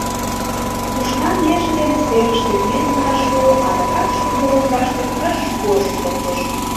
Пушна нерже дене серыш тӱкнен гына шуо, адакат шудо лоҥгаште кыж-гож шоктыш.